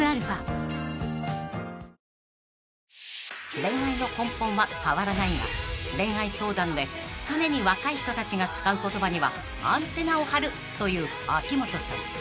［恋愛の根本は変わらないが恋愛相談で常に若い人たちが使う言葉にはアンテナを張るという秋元さん］